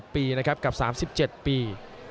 ปีนะครับกับ๓๗ปี